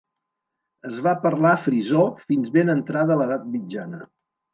Es va parlar frisó fins ben entrada l'edat mitjana.